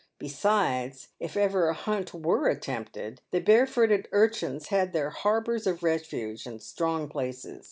Besides, if ever a hunt icere attempted, the bare footed urchins had their " har bours of refuge" and " strong places."